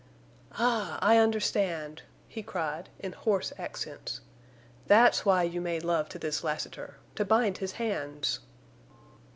"Ah, I understand!" he cried, in hoarse accents. "That's why you made love to this Lassiter—to bind his hands!"